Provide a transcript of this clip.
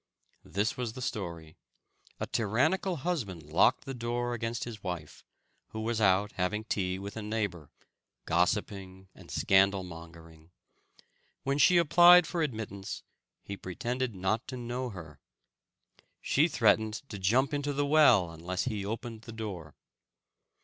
This was the story. A tyrannical husband locked the door against his wife, who was out having tea with a neighbor, gossiping and scandal mongering; when she applied for admittance, he pretended not to know her. She threatened to jump into the well unless he opened the door.